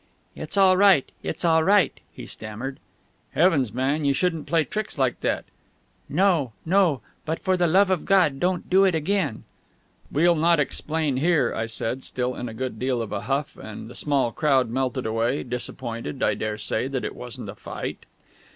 "It's all right ... it's all right,..." he stammered. "Heavens, man, you shouldn't play tricks like that!" "No ... no ... but for the love of God don't do it again!..." "We'll not explain here," I said, still in a good deal of a huff; and the small crowd melted away disappointed, I dare say, that it wasn't a fight.